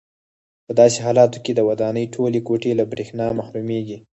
په داسې حالاتو کې د ودانۍ ټولې کوټې له برېښنا محرومېږي.